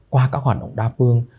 qua các hoạt động đa phương